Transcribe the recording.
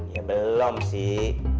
ya belum sih